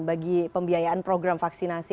bagi pembiayaan program vaksinasi